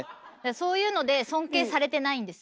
そういうので尊敬されてないんです。